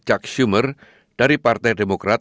chuck schumer dari partai demokrat